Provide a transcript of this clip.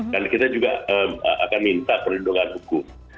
kan kita juga akan minta perlindungan hukum